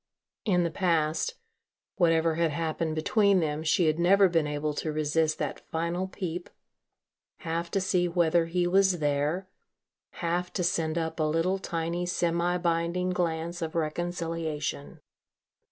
In the past, whatever had happened between them, she had never been able to resist that final peep, half to see whether he was there, half to send up a little tiny semi binding glance of reconciliation.